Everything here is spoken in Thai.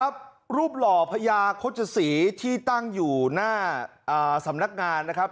รูปหล่อพญาโฆษศรีที่ตั้งอยู่หน้าสำนักงานนะครับ